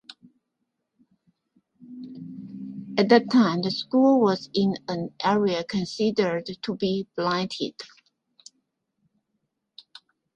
At that time the school was in an area considered to be blighted.